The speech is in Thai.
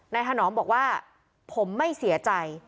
นายท่านน้องบอกว่าผมไม่เสียใจ